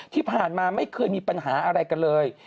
ที่ผ่านมาไม่เคยมีปัญหาอะไรกันเลย